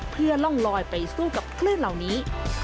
เพื่อล่องลอยไปสู้กับคลื่นเหล่านี้